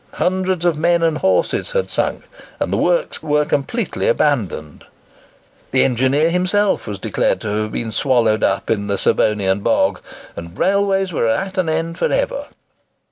"Hundreds of men and horses had sunk; and the works were completely abandoned!" The engineer himself was declared to have been swallowed up in the Serbonian bog; and "railways were at an end for ever!"